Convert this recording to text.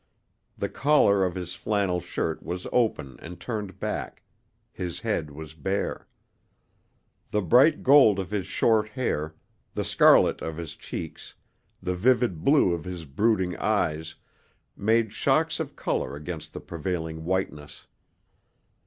The collar of his flannel shirt was open and turned back; his head was bare. The bright gold of his short hair, the scarlet of his cheeks, the vivid blue of his brooding eyes, made shocks of color against the prevailing whiteness.